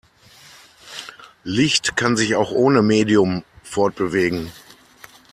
Licht kann sich auch ohne Medium fortbewegen.